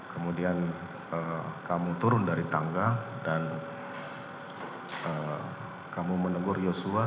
kemudian kamu turun dari tangga dan kamu menegur yosua